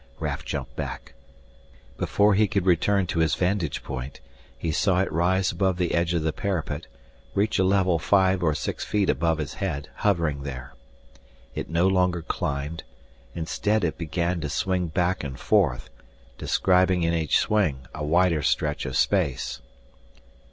Raf jumped back. Before he could return to his vantage point, he saw it rise above the edge of the parapet, reach a level five or six feet above his head, hovering there. It no longer climbed; instead it began to swing back and forth, describing in each swing a wider stretch of space.